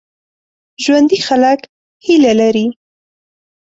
ژوندي خلک هیله لري